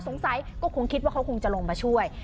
สงสัยก็คงคิดว่าเขาคงจะลงมาช่วย